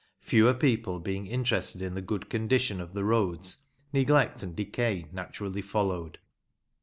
Fewer people being interested in the good condition of the roads, neglect and decay naturally followed.